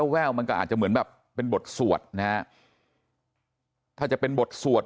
แววมันก็อาจจะเหมือนแบบเป็นบทสวดนะฮะถ้าจะเป็นบทสวด